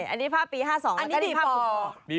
อันนี้ภาพปี๕๒แล้วก็อันนี้ภาพปี๔